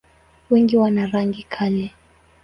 Wengi wana rangi kali.